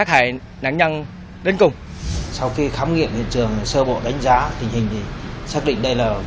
thì hai thanh niên lại tiếp tục có hành vi hăm dọa chủ quán